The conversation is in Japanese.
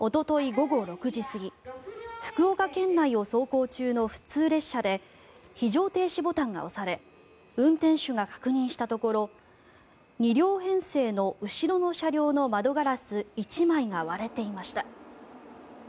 午後６時過ぎ福岡県内を走行中の普通列車で非常停止ボタンが押され運転手が確認したところ２両編成の後ろの車両の窓ガラス１枚が割れていました。